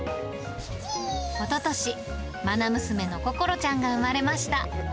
おととし、まな娘のココロちゃんが産まれました。